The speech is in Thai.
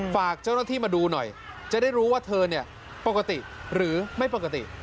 ฝากเจ้าหน้าที่มาดูหน่อยจะได้รู้ว่าเธอปกติหรือไม่ปกติ